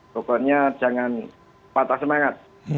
pokoknya jangan patah semangat